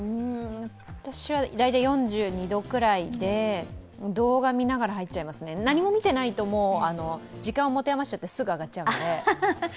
私は大体４２度くらいで動画見ながら入っちゃいますね、何も見てないと、時間を持て余しちゃってすぐ上がっちゃうので。